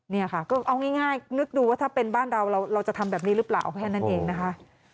เนี่ยค่ะก็เอาง่ายนึกดูว่าถ้าเป็นบ้านเราเราจะทำแบบนี้หรือเปล่าแค่นั้นเองนะคะ